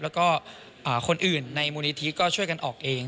แล้วก็คนอื่นในมูลนิธิก็ช่วยกันออกเอง